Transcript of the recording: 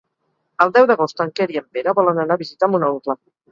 El deu d'agost en Quer i en Pere volen anar a visitar mon oncle.